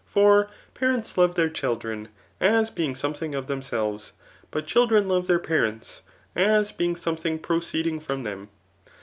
For parents love their children, as being something of themselves ; but children love their parents, as being somethmg proceeding from them.